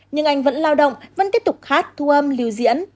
nhưng anh vẫn lao động vẫn tiếp tục hát thu âm lưu diễn